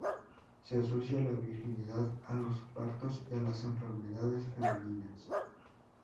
Se asociaba a la virginidad, a los partos y a las enfermedades femeninas.